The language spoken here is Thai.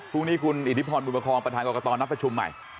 พรุ่งนี้คุณอิทธิพรบุญประคองประธานกรกตนัดประชุมใหม่